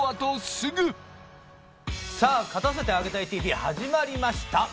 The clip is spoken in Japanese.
さあ、勝たせてあげたいＴＶ始まりました。